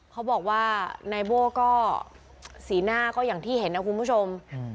เขาบอกว่านายโบ้ก็สีหน้าก็อย่างที่เห็นนะคุณผู้ชม